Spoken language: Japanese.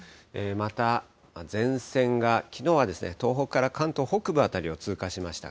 また、前線が、きのうはですね、東北から関東北部辺りを通過しました。